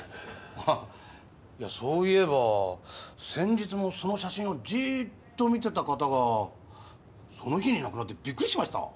あっそういえば先日もその写真をじーっと見てた方がその日に亡くなってビックリしました。